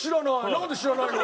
なんで知らないの？